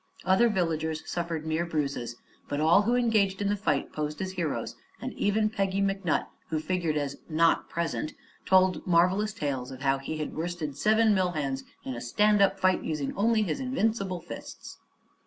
Other villagers suffered mere bruises, but all who engaged in the fight posed as heroes and even Peggy McNutt, who figured as "not present," told marvelous tales of how he had worsted seven mill hands in a stand up fight, using only his invincible fists.